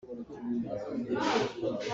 Saduh na that bal maw?